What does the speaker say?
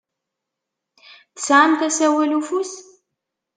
Tesɛamt asawal n ufus?